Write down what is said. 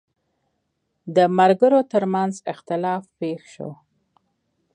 د ملګرو ترمنځ اختلاف پېښ شو.